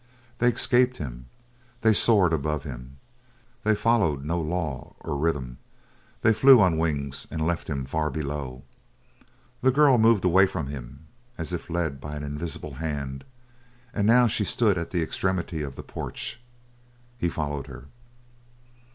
They escaped him, they soared above him. They followed no law or rhythm. They flew on wings and left him far below. The girl moved away from him as if led by an invisible hand, and now she stood at the extremity of the porch. He followed her.